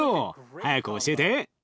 早く教えて。